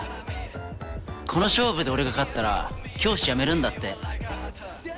この勝負で俺が勝ったら教師やめるんだってこの人。